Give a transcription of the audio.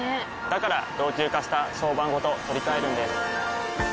から老朽化した床版ごと取り替えるんです。